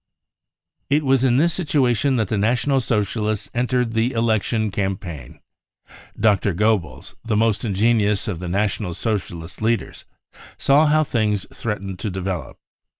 It was in this sit uation that the National Socialists entered the election Campaign. Dr. Goebbels, the most ingenious of the National Socialist leaders, saw how things threatened to develop.